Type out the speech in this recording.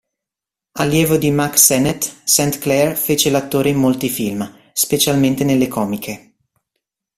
Allievo di Mack Sennett, St. Clair fece l'attore in molti film, specialmente nelle comiche.